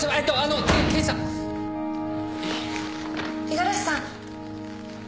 五十嵐さん。